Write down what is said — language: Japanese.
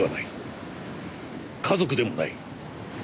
家族でもない。